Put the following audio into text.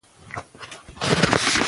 ایا پېښور د افغانستان برخه وه؟